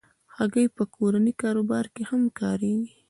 هګۍ په کورني کاروبار کې هم کارېږي.